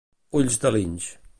Ulls de linx.